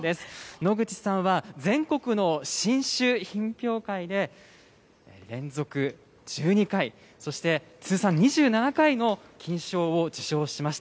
農口さんは全国の新種品評会で、連続１２回、そして通算２７回の金賞を受賞しました。